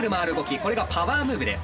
これがパワームーブです。